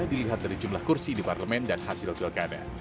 dilihat dari jumlah kursi di parlemen dan hasil pilkada